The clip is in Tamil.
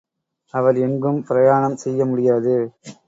அவர் எங்கும் பிரயாணம் செய்ய முடியாது.